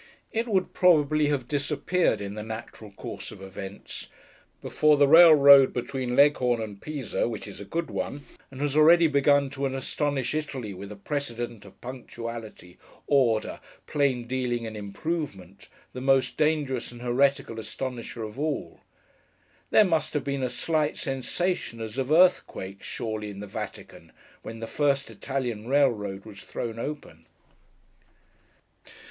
It would, probably, have disappeared in the natural course of events, before the railroad between Leghorn and Pisa, which is a good one, and has already begun to astonish Italy with a precedent of punctuality, order, plain dealing, and improvement—the most dangerous and heretical astonisher of all. There must have been a slight sensation, as of earthquake, surely, in the Vatican, when the first Italian railroad was thrown open.